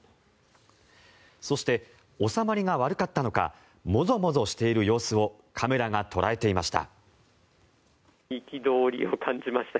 そして、収まりが悪かったのかもぞもぞしている様子をカメラが捉えていました。